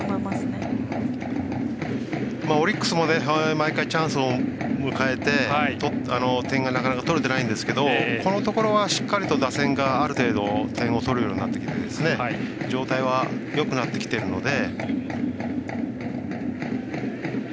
オリックスも毎回チャンスを迎えて点が、なかなか取れてないですけどこのところはしっかりと打線がある程度点を取るようになってきて状態はよくなってきているので。